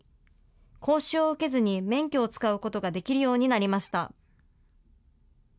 講習を受けずに免許を使うことができるようになりました。